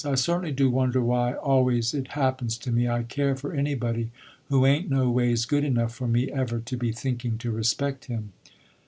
"I certainly do wonder why always it happens to me I care for anybody who ain't no ways good enough for me ever to be thinking to respect him."